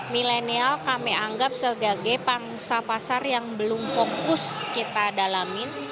milenial kami anggap sebagai pangsa pasar yang belum fokus kita dalamin